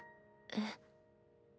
えっ？